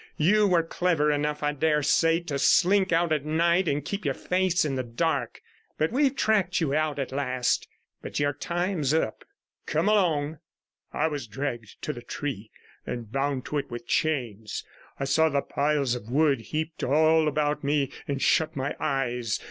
You were clever enough, I dare say, to slink out at night and keep your face in the dark, but we've tracked you out at last. But your time's up. Come along.' I was dragged to the tree and bound to it with chains; I saw the piles of wood heaped all about me, and shut my eyes.